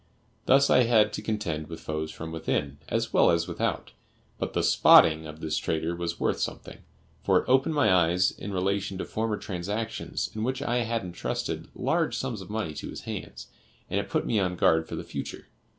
Thus I had to contend with foes from within as well as without; but the "spotting" of this traitor was worth something, for it opened my eyes in relation to former transactions in which I had intrusted large sums of money to his hands, and it put me on guard for the future.